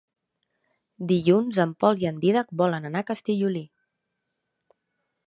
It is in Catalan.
Dilluns en Pol i en Dídac volen anar a Castellolí.